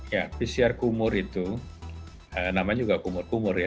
ya pcr kumur itu namanya juga kumur kumur ya